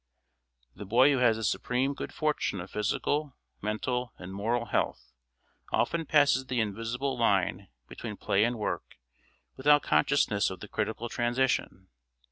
The boy who has the supreme good fortune of physical, mental, and moral health often passes the invisible line between play and work without consciousness of the critical transition.